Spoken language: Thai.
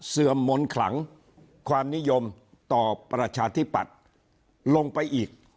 เมนต์ขลังความนิยมต่อประชาธิปัตย์ลงไปอีก